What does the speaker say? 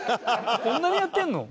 「こんなにやってんの？」